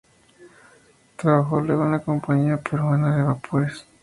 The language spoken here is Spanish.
Trabajó luego en la Compañía Peruana de Vapores.